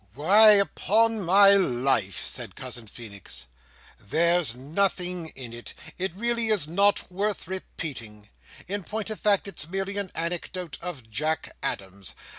"Why, upon my life," said Cousin Feenix, "there's nothing in it; it really is not worth repeating: in point of fact, it's merely an anecdote of Jack Adams.